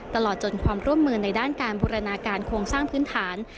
ตลอดจนความร่วมมือในด้านการบูรณาการโครงสร้างพื้นฐาน